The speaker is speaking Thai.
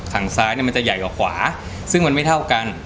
ซ้ายมันจะใหญ่กว่าขวาซึ่งมันไม่เท่ากัน